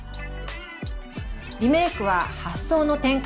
リメークは発想の転換！